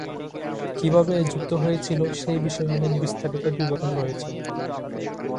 কীভাবে এই যুদ্ধ হয়েছিল, সেই বিষয়ে অনেক বিস্তারিত বিবরণ রয়েছে।